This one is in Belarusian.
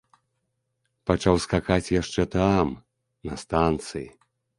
Пачаў скакаць яшчэ там, на станцыі.